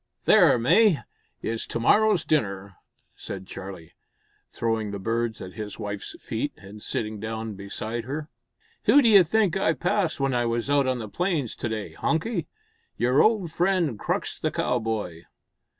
"There, May, is to morrow's dinner," said Charlie, throwing the birds at his wife's feet, and sitting down beside her. "Who d'you think I passed when I was out on the plains to day, Hunky? Your old friend Crux the Cowboy."